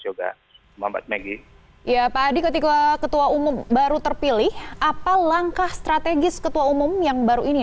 juga pak adi ketika ketua umum baru terpilih apa langkah strategis ketua umum yang baru ini